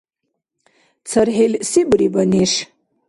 ЦархӀил се буриба, неш?